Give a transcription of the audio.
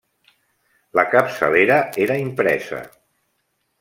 La capçalera era impresa.